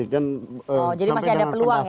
kan sampai dengan peluang ya